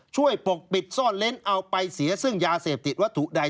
ปกปิดซ่อนเล้นเอาไปเสียซึ่งยาเสพติดวัตถุใด